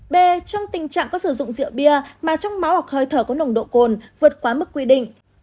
b trong tình trạng có sử dụng rượu bia mà trong máu hoặc hơi thở có nồng độ cồn vượt quá mức quy định